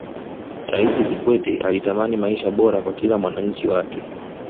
raisi kikwete alitamani maisha bora kwa kila mwananchi wake